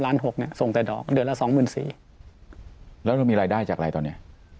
หกเนี่ยส่งแต่ดอกเดือนละสองหมื่นสี่แล้วเรามีรายได้จากอะไรตอนนี้